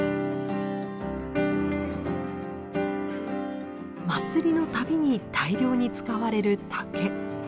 祭りの度に大量に使われる竹。